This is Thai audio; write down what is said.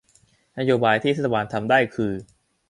แนวนโยบายที่เทศบาลทำได้คือ